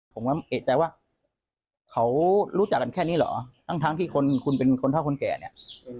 ผมก็เอกใจว่าเขารู้จักกันแค่นี้เหรอทั้งที่คนคุณเป็นคนเท่าคนแก่เนี่ย